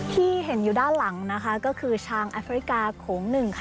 ที่เห็นอยู่ด้านหลังก็คือช้างแอฟริกาของหนึ่ง